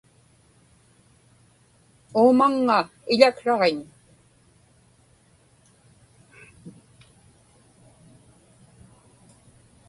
uumaŋŋa iḷaksraġiñ